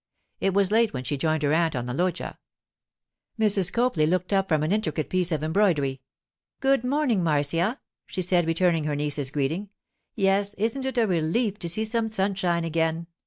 It was late when she joined her aunt on the loggia. Mrs. Copley looked up from an intricate piece of embroidery. 'Good morning, Marcia,' she said, returning her niece's greeting. 'Yes, isn't it a relief to see some sunshine again!